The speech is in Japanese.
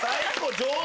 上手！